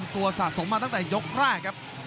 ตัวสะสมมาตั้งแต่ยกแรกครับ